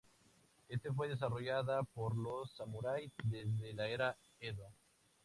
Éste fue desarrollada por los samurái desde la era Edo.